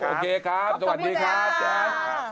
โอเคครับสวัสดีครับแจ๊ค